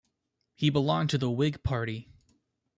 He belonged to the Whig party.